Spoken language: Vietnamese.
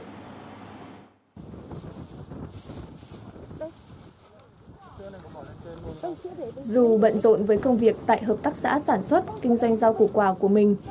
dù bận rộn với công việc tại hợp tác xã sản xuất kinh doanh rau củ quả của mình